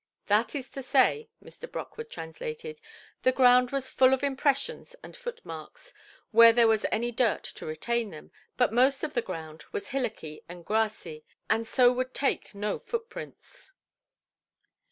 "That is to say", Mr. Brockwood translated, "the ground was full of impressions and footmarks, where there was any dirt to retain them; but most of the ground was hillocky and grassy, and so would take no footprints".